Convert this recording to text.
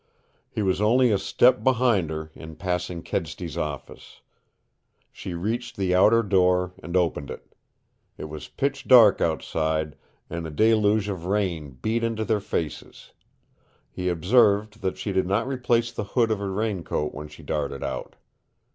He was only a step behind her in passing Kedsty's office. She reached the outer door and opened it. It was pitch dark outside, and a deluge of rain beat into their faces. He observed that she did not replace the hood of her raincoat when she darted out.